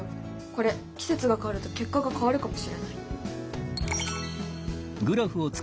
これ季節が変わると結果が変わるかもしれない。